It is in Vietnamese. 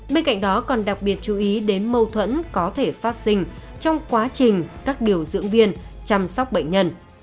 bên cạnh đó còn đặc biệt chú ý đến mâu thuẫn có thể phát sinh trong quá trình các điều dưỡng viên chăm sóc bệnh nhân